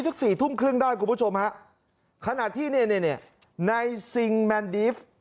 สักสี่ทุ่มครึ่งได้คุณผู้ชมฮะขณะที่เนี่ยในซิงแมนดีฟ